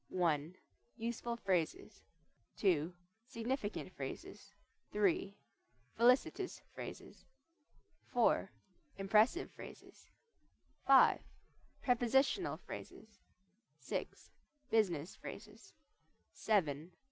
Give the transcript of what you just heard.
I. USEFUL PHRASES II. SIGNIFICANT PHRASES III. FELICITOUS PHRASES IV. IMPRESSIVE PHRASES V. PREPOSITIONAL PHRASES VI. BUSINESS PHRASES VII.